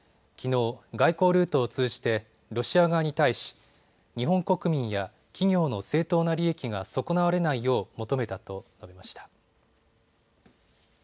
きのう外交ルートを通じてロシア側に対し、日本国民や企業の正当な利益が損なわれないよう求めたと述べました。